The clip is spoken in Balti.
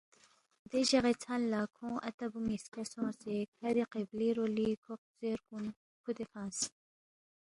دے جغی ژھن لہ کھونگ اتا بُو نِ٘یسکا سونگسے کَھری قبلی رولی کھوق غزیرکُن فُودے فنگس